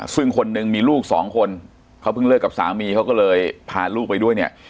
ซึ่งคนหนึ่งมีลูกสองคนเขาเพิ่งเลิกกับสามีเขาก็เลยพาลูกไปด้วยเนี่ย